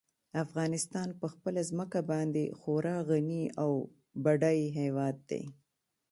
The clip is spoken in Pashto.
افغانستان په خپله ځمکه باندې خورا غني او بډای هېواد دی.